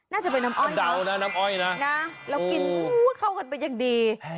น่าจะเป็นน้ำอ้อยเดานะน้ำอ้อยนะนะแล้วกินเข้ากันเป็นอย่างดี